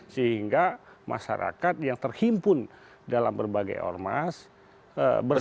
sehingga masyarakat yang terkimpun dalam berbagai ormas bersatu